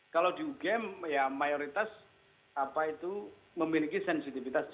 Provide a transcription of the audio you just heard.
kalau di ugm ya mayoritas apa itu memiliki sensitivitas